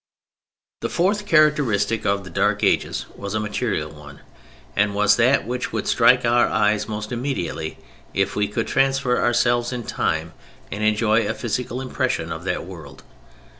The fourth characteristic of the Dark Ages was a material one, and was that which would strike our eyes most immediately if we could transfer ourselves in time, and enjoy a physical impression of that world.